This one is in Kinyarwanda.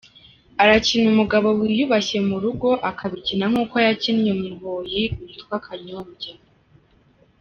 Arakina umugabo wiyubashye mu rugo akabikina nk’uko yakinnye umuboyi witwa Kanyombya.